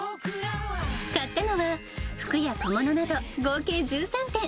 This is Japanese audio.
買ったのは、服や小物など合計１３点。